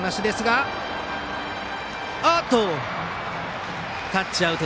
一塁、タッチアウト。